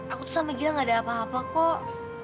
aku tuh sama gila gak ada apa apa kok